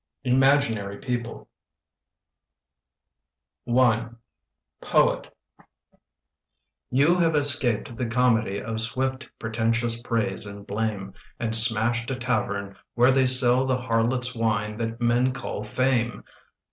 IMAGINARY PEOPLE POET YOU have escaped the comedy Of swift, pretentious praise and blame, And smashed a tavern where they sell The harlots' wine that men call fame.